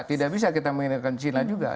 tidak bisa kita meninggalkan china juga